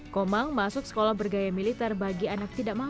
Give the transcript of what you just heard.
komang masuk sekolah bergaya militer bagi anak tidak mampu